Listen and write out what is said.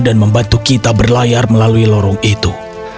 dan membantu kita berlayar melalui lorong itu